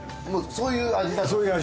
そういう味。